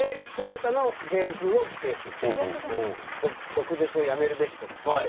毒舌をやめるべきとか。